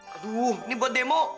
aduh ini buat demo